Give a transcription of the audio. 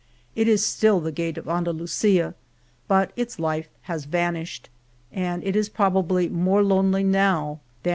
It is still the gate of Andalusia, but its life has vanished, and it is probably more lonely now than it 225 m.